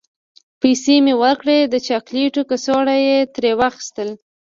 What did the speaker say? پیسې مې ورکړې، د چاکلیټو کڅوڼه مې ترې واخیستل.